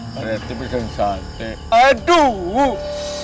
pada etik enk resort jadi aduh